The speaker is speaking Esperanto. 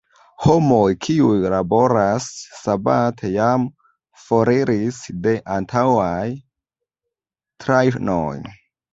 Homoj, kiuj laboras sabate jam foriris de antaŭaj trajnoj.